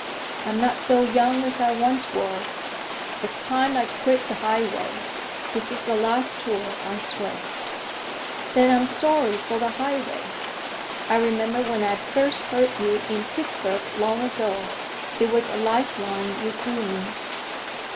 I'm not so young as I once was. It's time I quit the highway. This is the last tour, I swear!" "Then I'm sorry for the 'highway.' I remember when I first heard you in Pittsburg, long ago. It was a life line you threw me.